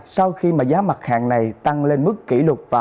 sau khi mà giá mặt hàng này tăng lên mức kỷ lục